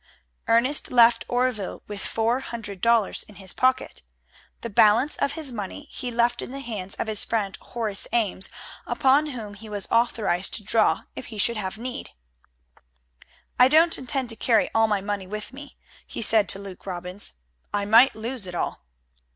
Ernest left Oreville with four hundred dollars in his pocket. The balance of his money he left, in the hands of his friend Horace Ames, upon whom he was authorized to draw if he should have need. "I don't intend to carry all my money with me," he said to Luke Robbins. "I might lose it all."